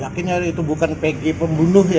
yakin hari itu bukan peggy pembunuh ya